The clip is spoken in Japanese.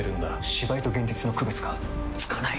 芝居と現実の区別がつかない！